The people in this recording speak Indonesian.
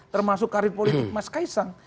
termasuk karir politik mas kaisang